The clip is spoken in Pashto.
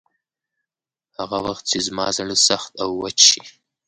هغه وخت چې زما زړه سخت او وچ شي.